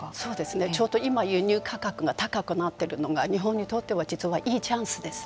ちょうど今輸入価格が高くなっているのが日本にとっては実はいいチャンスですね。